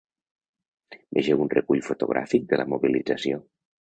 Vegeu un recull fotogràfic de la mobilització.